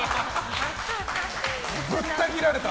ぶったぎられた！